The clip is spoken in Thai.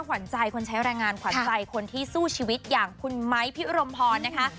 ขวัญใจคนใช้แรงงานขวัญใจคนที่สู้ชีวิตอย่างคุณไม้พิรมพรนะคะ